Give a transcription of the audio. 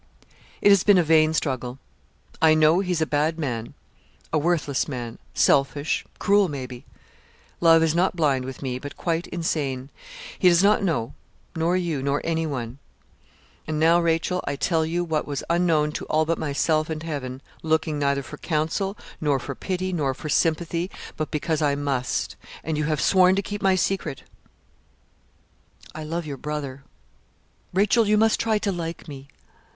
'It has been a vain struggle. I know he's a bad man, a worthless man selfish, cruel, maybe. Love is not blind with me, but quite insane. He does not know, nor you, nor anyone; and now, Rachel, I tell you what was unknown to all but myself and Heaven looking neither for counsel, nor for pity, nor for sympathy, but because I must, and you have sworn to keep my secret. I love your brother. Rachel, you must try to like me.'